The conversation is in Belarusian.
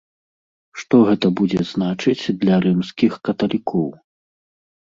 Што гэта будзе значыць для рымскіх каталікоў?